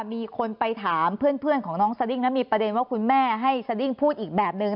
มีคนไปถามเพื่อนของน้องสดิ้งแล้วมีประเด็นว่าคุณแม่ให้สดิ้งพูดอีกแบบนึง